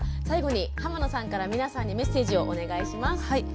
最後に濱野さんから皆さんにメッセージをお願いします。